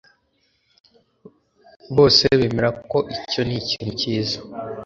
bose bemera ko icyo ni ikintu cyiza